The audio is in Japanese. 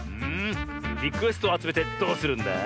リクエストをあつめてどうするんだ？